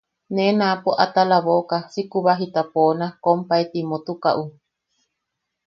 Nee naapo atala boʼoka si kubajita poona kompae Timotukaʼu.